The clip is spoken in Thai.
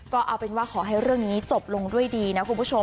ก็เอาเป็นว่าขอให้เรื่องนี้จบลงด้วยดีนะคุณผู้ชม